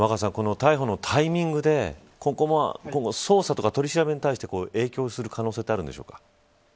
この逮捕のタイミングで捜査とか取り調べに対して影響する可能性はあるんですか。